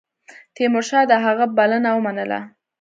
تیمورشاه د هغه بلنه ومنله.